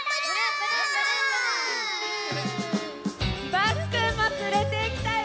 ・バスくんもつれてきたよ！